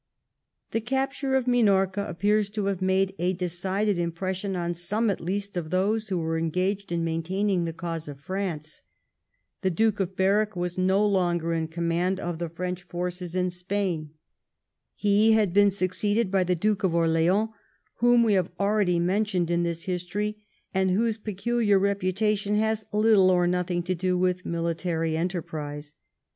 The capture of Minorca appears to have made a decided impression on some at least of those who were engaged in maintaining the cause of France. The Duke of Berwick was no longer in command of the French forces in Spain. He had been succeeded VOL. II. o 34 THE REIGN OF^ QUEEN ANNE. oh. xxit. by the Duke of Orleans, whom we have already mentioned in this history, and whose peculiar repu tation has little or nothing to do with military enterprise.